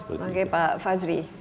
oke pak fajri